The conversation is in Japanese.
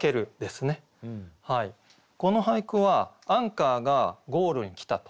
この俳句はアンカーがゴールに来たと。